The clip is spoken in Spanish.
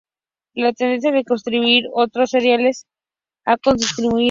La tendencia a consumir otros cereales ha disminuido.